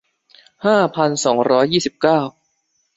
ห้าพันสองร้อยยี่สิบเก้า